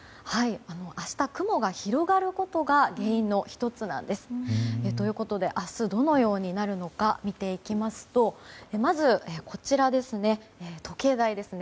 明日、雲が広がることが原因の１つなんです。ということで明日どのようになるのか見てみますとまず、時計台ですね。